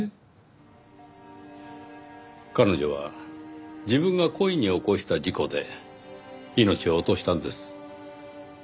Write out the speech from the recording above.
彼女は自分が故意に起こした事故で命を落としたんです。